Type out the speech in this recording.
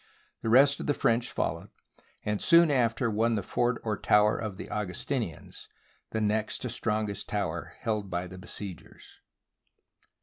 The rest of the French followed, and soon after won the Fort or Tower of the Augustinians — the next to strong est tower held by the besiegers.